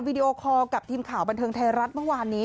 วิดีโอคอลกับทีมข่าวบันเทิงไทยรัฐเมื่อวานนี้